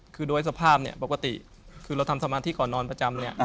คือโดยสภาพเนี่ยปกติคือเราทำสมาธิก่อนนอนประจำเนี่ย